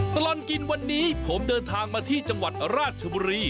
ตลอดกินวันนี้ผมเดินทางมาที่จังหวัดราชบุรี